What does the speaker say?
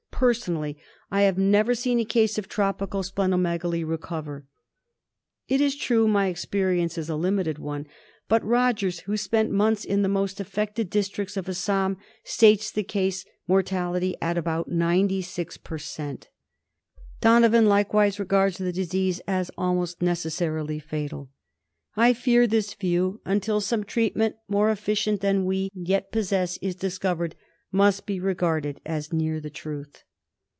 Personally, I have never seen a case of tropical spleno megaly recover. It is true my experience is a limited one, but Rogers, who spent months in the most affected districts of Assam, states the case mortality at about 96 per cent. Donovan likewise regards the disease as almost necessarily fatal. I fear this view, until some KALA AZAR. / I43 treatment more efficient than any we yet possess is dis covered, must be regarded as near the truth.